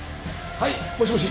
はいもしもし。